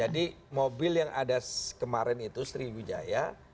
jadi mobil yang ada kemarin itu sriwijaya